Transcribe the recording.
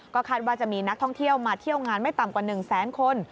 คาดว่าจะมีนักท่องเที่ยวมาเที่ยวงานไม่ต่ำกว่า๑แสนคน